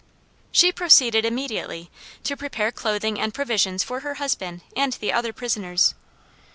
She proceeded immediately to prepare clothing and provisions for her husband and the other prisoners.